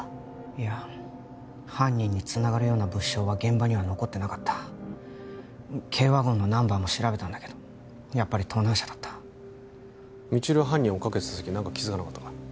いや犯人につながるような物証は現場には残ってなかった軽ワゴンのナンバーも調べたんだけどやっぱり盗難車だった未知留は犯人追っかけてた時何か気づかなかったか？